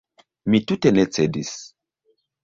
Mi tute ne cedis.